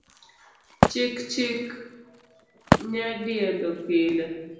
Chik chik nya diendo pile